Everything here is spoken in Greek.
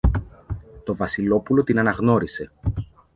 Το Βασιλόπουλο την αναγνώρισε.